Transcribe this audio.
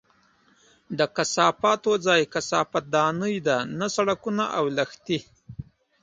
د کثافاتو ځای کثافت دانۍ دي، نه سړکونه او لښتي!